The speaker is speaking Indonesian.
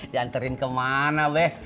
dianterin kemana be